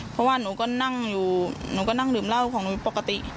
เพราะว่าหนูก็นั่งอยู่หนูก็นั่งดื่มเหล้าของหนูปกติ